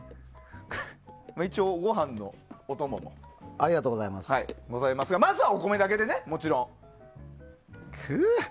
一応ご飯のお供もございますがまずはお米だけでね、もちろん。